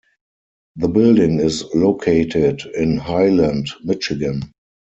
The building is located in Highland, Michigan.